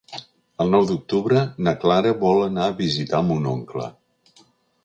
El nou d'octubre na Clara vol anar a visitar mon oncle.